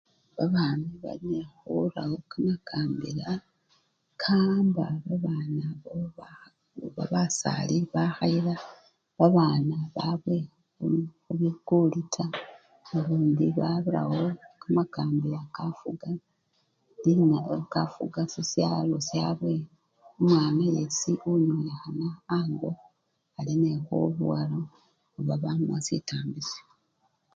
babami bari ne khurawo kamakambila kaamba babana abo oba basali bakhayila babana babwe khu khubikuli taa na lundi barawo kamakambila kakafuga lina kakafuga shishalo shabwe, omwana yesi onyolehana ango, alinehubowebwa oba bamuwa sitambisho